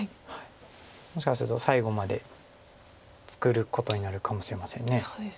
もしかすると最後まで作ることになるかもしれません。